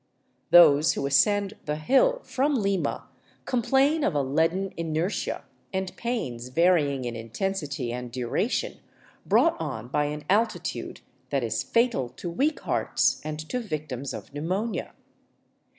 Those who as cend " the Hill " from Lima complain of a leaden inertia and pains varying in intensity and duration, brought on by an altitude that is 319 VAGABONDING DOWN THE ANDES fatal to weak hearts and to victims of pneumonia.